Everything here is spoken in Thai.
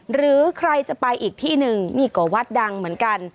หรือใครจะไปอีกที่หนึ่งนี่ก็วัดดังเหมือนกัน